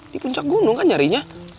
di puncak gunung kan nyarinya